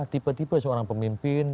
tipe tipe seorang pemimpin